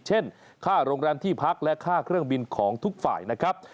ค่าโรงแรมที่พักและค่าเครื่องบินของทุกฝ่ายนะครับ